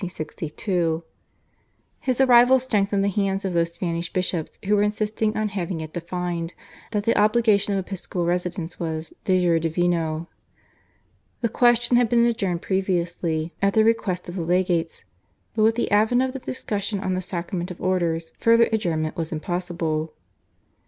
His arrival strengthened the hands of those Spanish bishops who were insisting on having it defined that the obligation of episcopal residence was /de jure divino/. The question had been adjourned previously at the request of the legates, but with the advent of the discussion on the sacrament of Orders further adjournment was impossible.